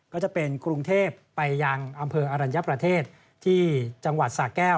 ก็จะเป็นกรุงเทพไปยังอำเภออรัญญประเทศที่จังหวัดสาแก้ว